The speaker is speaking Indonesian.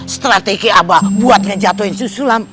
strategi abah buat ngejatohin susulam